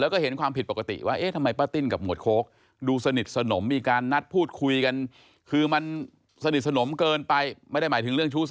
แล้วก็เห็นความผิดปกติว่าเอ๊ะทำไมปะติ้นกับหมวดโค้กดูสนิทสนมมีการนัดพูดคุยกัน